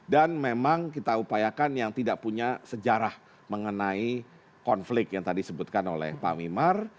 dan memang kita upayakan yang tidak punya sejarah mengenai konflik yang tadi sebutkan oleh pak wimar